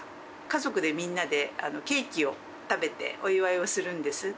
家族で、みんなでケーキを食べてお祝いをするんです。